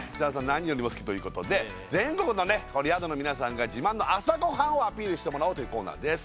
何よりも好きということで全国の宿の皆さんが自慢の朝ごはんをアピールしてもらおうというコーナーです